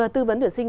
tư vấn tuyển sinh